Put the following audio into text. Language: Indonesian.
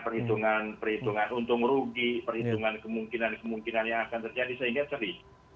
perhitungan perhitungan untung rugi perhitungan kemungkinan kemungkinan yang akan terjadi sehingga sering